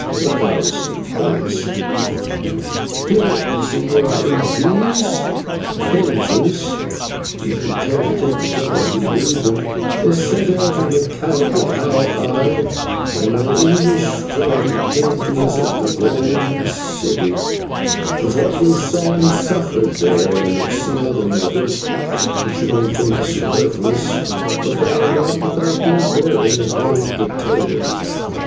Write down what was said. A thousand thanks. Here, señor, in these pages, if you care to take the trouble to read them, is set out an account of how I and my English friend came to visit the Golden City, of what we saw and suffered there, and of some other matters which you may think superfluous, but that are not without their bearing upon the tale.